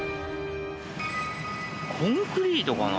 コンクリートかな？